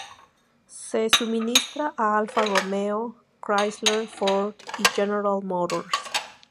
Se suministra a Alfa Romeo, Chrysler, Ford y General Motors.